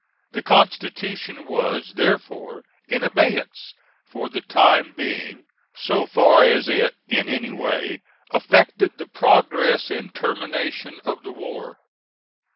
The Constitution was therefore in abeyance for the time being, so far as it in any way affected the progress and termination of the war.